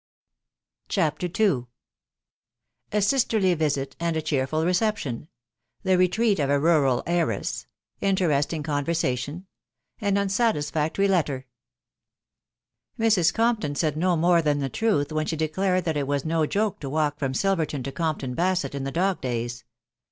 CHAPTER II. A SISTERLY VISEY, AND A CHEERFUL RECEPTION. — THE RETREAT Of A RURAL HXIRESS. — INTERESTING CONVERSATION. AN UNSATISFAC TORY LETTER. Mrs. Compton said no more than the truth, when she de clared that it was no joke to walk from Silverton to Comptan Basett in the dog days.